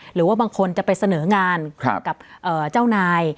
หรือว่าบางคนจะไปเสนองานกับเจ้านาย